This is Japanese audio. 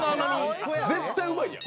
絶対うまいやん！